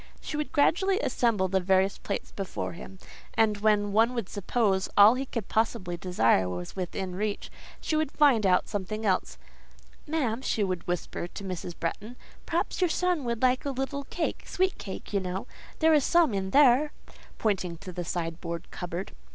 She would gradually assemble the various plates before him, and, when one would suppose all he could possibly desire was within his reach, she would find out something else: "Ma'am," she would whisper to Mrs. Bretton,—"perhaps your son would like a little cake—sweet cake, you know—there is some in there" (pointing to the sideboard cupboard).